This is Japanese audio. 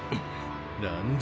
何だ？